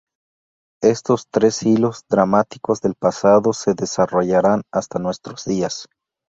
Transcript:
Estos tres hilos dramáticos del pasado se desarrollarán hasta nuestros días.